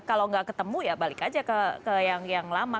kalau nggak ketemu ya balik aja ke yang lama